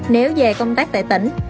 nếu về công tác tại tỉnh